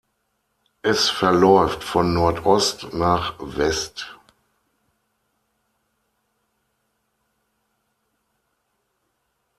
Es verläuft von Nordost nach West.